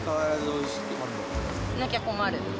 なきゃ困る。